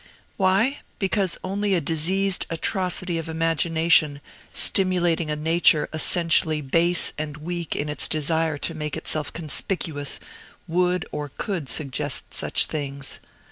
"Why? Because only a diseased atrocity of imagination, stimulating a nature essentially base and weak in its desire to make itself conspicuous, would or could suggest such things.